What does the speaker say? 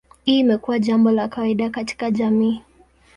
Hii imekuwa jambo la kawaida katika jamii.